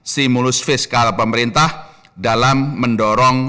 stimulus fiskal pemerintah dalam mendorong